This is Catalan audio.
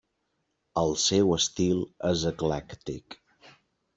El seu estil és eclèctic.